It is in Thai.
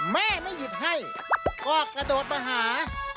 แม่ไม่หยิบให้ก็กระโดดมาหา